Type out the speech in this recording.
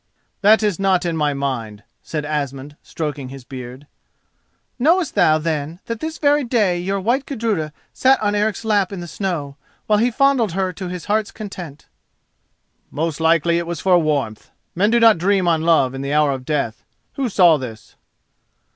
"That is not in my mind," said Asmund, stroking his beard. "Knowest thou, then, that this very day your white Gudruda sat on Eric's lap in the snow, while he fondled her to his heart's content?" "Most likely it was for warmth. Men do not dream on love in the hour of death. Who saw this?"